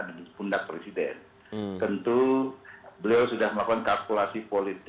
tidak ter kelsheep